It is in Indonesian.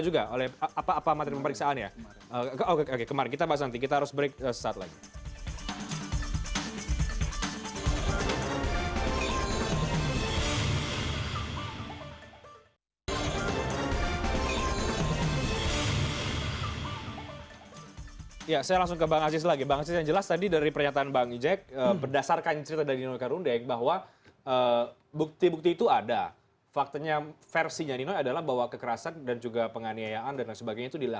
juga oleh apa materi periksaan ya